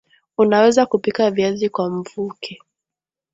Unaweza kupika Viazi kwa mvuke